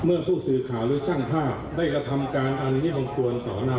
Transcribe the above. เมื่อผู้สื่อข่าวและชั่งภาพผู้หญิงและพ่อเอียดและ